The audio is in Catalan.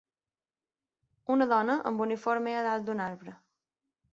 Una dona amb uniforme a dalt d'un arbre.